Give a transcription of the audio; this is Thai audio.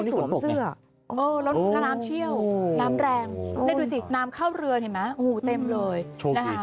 รถถ้าน้ำเชี่ยวน้ำแรงน้ำเข้าเรือเห็นมั้ยเต็มเลย